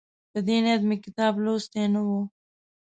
په دې نیت مې کتاب لوستی نه وو.